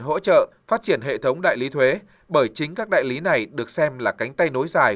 hỗ trợ phát triển hệ thống đại lý thuế bởi chính các đại lý này được xem là cánh tay nối dài